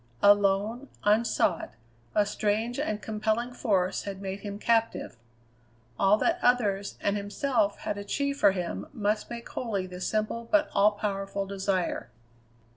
Alone, unsought, a strange and compelling force had made him captive. All that others, and himself, had achieved for him must make holy this simple but all powerful desire.